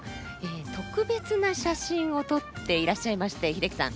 特別な写真を撮っていらっしゃいまして英樹さん